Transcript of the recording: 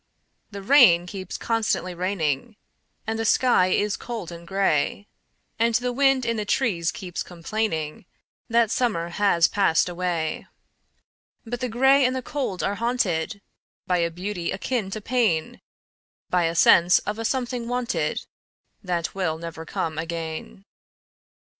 The rain keeps constantly raining, And the sky is cold and gray, And the wind in the trees keeps complainingThat summer has passed away;—But the gray and the cold are hauntedBy a beauty akin to pain,—By a sense of a something wanted, That never will come again.